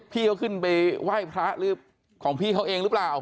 พี่เขาขึ้นไปไหว้พระหรือของพี่เขาเองหรือเปล่า